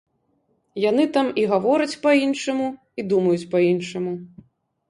Яны там і гавораць па-іншаму, і думаюць па-іншаму.